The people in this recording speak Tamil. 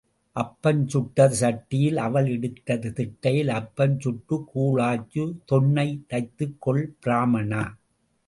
அப்பம் சுட்டது சட்டியில் அவல் இடித்தது திட்டையில் அப்பம் சுட்டுக் கூழ் ஆச்சு தொன்னை தைத்துக் கொள் பிராம்மணா.